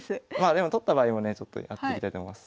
でも取った場合もねやっていきたいと思います。